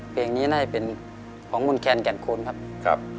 เพลงนี้น่าจะเป็นของคุณแคนแก่นคูณครับ